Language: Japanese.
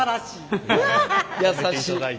優しい。